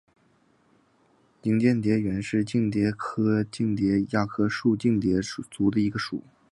莹蚬蝶属是蚬蝶科蚬蝶亚科树蚬蝶族里的一个属。